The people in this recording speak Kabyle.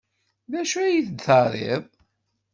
D acu ay d-terriḍ?